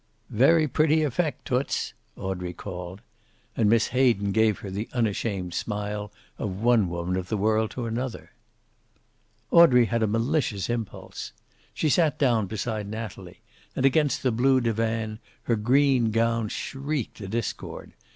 "Very pretty effect, Toots!" Audrey called. And Miss Hayden gave her the unashamed smile of one woman of the world to another. Audrey had a malicious impulse. She sat down beside Natalie, and against the blue divan her green gown shrieked a discord.